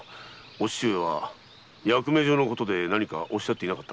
父上は役目上のことで何かおっしゃっていなかったか？